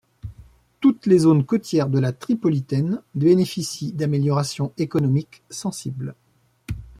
Toutes les zones côtières de la Tripolitaine bénéficient d'améliorations économiques sensibles.